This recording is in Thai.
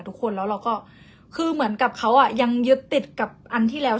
ทุกคนแล้วเราก็คือเหมือนกับเขาอ่ะยังยึดติดกับอันที่แล้ว